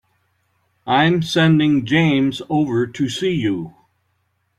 I'm sending James over to see you.